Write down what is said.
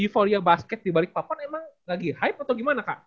euforia basket di balikpapan emang lagi hype atau gimana kak